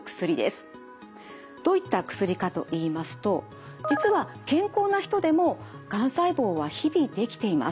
どういった薬かといいますと実は健康な人でもがん細胞は日々出来ています。